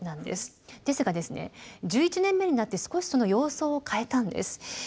ですが１１年目になって少しその様相を変えたんです。